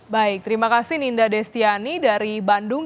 baik terima kasih ninda destiani dari bandung